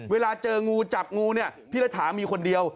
เวลาเจองูจับงูเนี่ยพี่รัฐามีคนเดียว